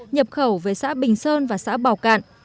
nhập khẩu về xã bình sơn và xã bảo cạn